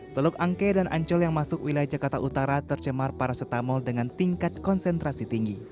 teluk angke dan ancol yang masuk wilayah jakarta utara tercemar parasetamol dengan tingkat konsentrasi tinggi